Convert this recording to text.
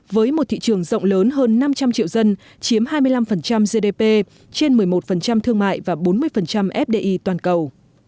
với một thị trường rộng lớn hơn năm trăm linh triệu dân chiếm hai mươi năm gdp trên một mươi một thương mại và bốn mươi fdi toàn cầu